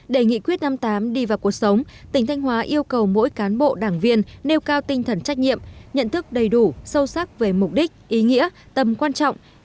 để nghị quyết năm mươi tám đi vào cuộc sống tỉnh thanh hóa yêu cầu mỗi cán bộ đảng viên nêu cao tinh thần trách nhiệm nhận thức đầy đủ sâu sắc về mục đích ý nghĩa tâm quan trọng tâm lý tâm lý tâm lý tâm lý tâm lý